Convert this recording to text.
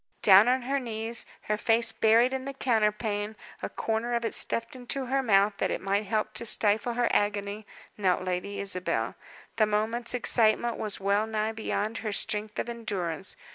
Down on her knees, her face buried in the counterpane, a corner of it stuffed into her mouth that it might help to stifle her agony, knelt Lady Isabel. The moment's excitement was well nigh beyond her strength of endurance.